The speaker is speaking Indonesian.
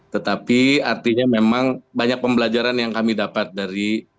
tetapi artinya memang banyak pembelajaran yang kami dapat dari